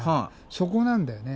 そこなんだよね。